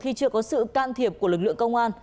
khi chưa có sự can thiệp của lực lượng công an